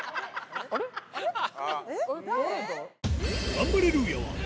ガンバレルーヤは